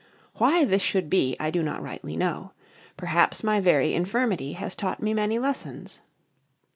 Why this should be I do not rightly know. Perhaps my very infirmity has taught me many lessons....